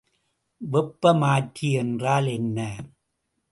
வெப்பமாற்றி என்றால் என்ன?